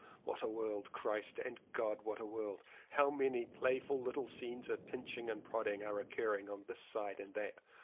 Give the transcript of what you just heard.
What a world! Christ! and God, what a world! How many playful little scenes of pinching and prodding are occurring on this side and that.